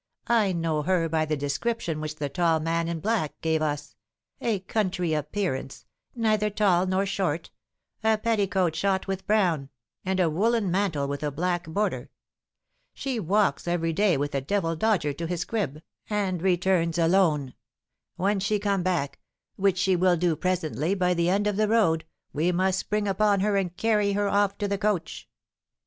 I know her by the description which the tall man in black gave us; a country appearance, neither tall nor short; a petticoat shot with brown, and a woollen mantle with a black border. She walks every day with a 'devil dodger' to his 'crib,' and returns alone. When she come back, which she will do presently by the end of the road, we must spring upon her and carry her off to the coach."